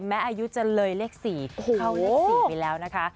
อายุจะเลยเลข๔เข้าเลข๔ไปแล้วนะคะ